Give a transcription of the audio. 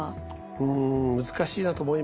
うん難しいなと思いましたね。